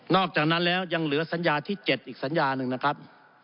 อกจากนั้นแล้วยังเหลือสัญญาที่๗อีกสัญญาหนึ่งนะครับ